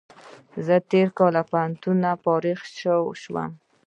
زه تېر کال له پوهنتون فارغ شوم